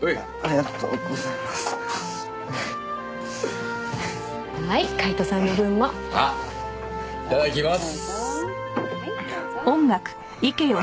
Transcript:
いただきます。